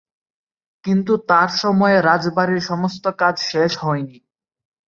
কিন্তু তাঁর সময়ে রাজবাড়ির সমস্ত কাজ শেষ হয়নি।